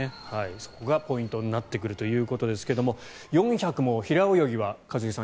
そこがポイントになってくるということですが４００ｍも平泳ぎは、一茂さん